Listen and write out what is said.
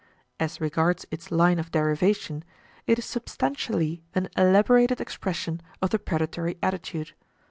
As regards its line of derivation, it is substantially an elaborated expression of the predatory attitude.